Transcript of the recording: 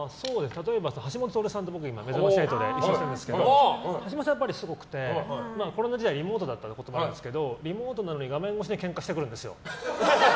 例えば、橋下徹さんは「めざまし８」で一緒ですが橋下さんはやっぱりすごくてコロナ時代リモートだったと思うんですけどリモートなのに画面越しでケンカしてくるんですよ。